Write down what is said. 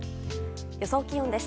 予想気温です。